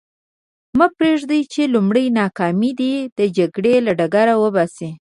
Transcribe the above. مه پرېږده چې لومړۍ ناکامي دې د جګړې له ډګر وباسي.